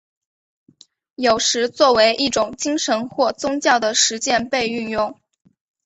有时作为一种精神或宗教的实践被运用。